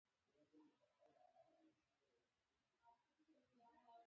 له معاش سره د انتظار حالت حقوق او امتیازات.